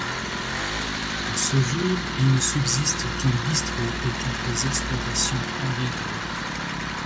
À ce jour, il ne subsiste qu'un bistrot et quelques exploitations agricoles.